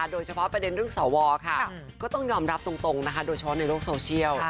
โดยเฉพาะประเด็นเรื่องสวค่ะก็ต้องยอมรับตรงนะคะโดยเฉพาะในโลกโซเชียล